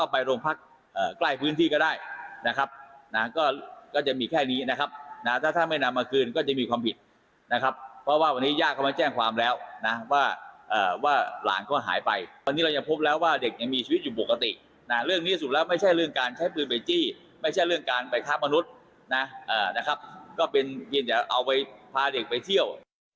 เพราะว่าวันนี้ย่าเขามาแจ้งความแล้วนะว่าว่าหลานก็หายไปวันนี้เราจะพบแล้วว่าเด็กยังมีชีวิตอยู่ปกตินะเรื่องนี้สุดแล้วไม่ใช่เรื่องการใช้พื้นไปจี้ไม่ใช่เรื่องการไปครับมนุษย์นะนะครับก็เป็นเยี่ยมจะเอาไว้พาเด็กไปเที่ยว